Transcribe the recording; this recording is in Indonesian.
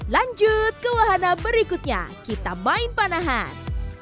lanjut ke wahana berikutnya kita main panahan